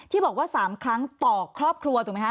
ที่บอกว่า๓ครั้งต่อครอบครัวถูกไหมคะ